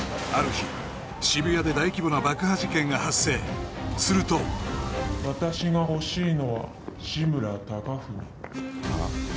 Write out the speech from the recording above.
ある日渋谷で大規模な爆破事件が発生すると・私がほしいのは志村貴文は？